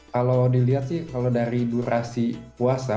kalau dilihat sih kalau dari durasi puasa